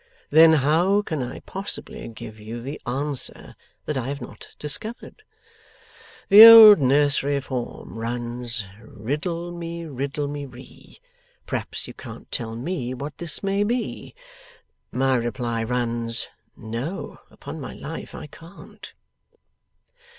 Then how can I possibly give you the answer that I have not discovered? The old nursery form runs, "Riddle me riddle me ree, p'raps you can't tell me what this may be?" My reply runs, "No. Upon my life, I can't."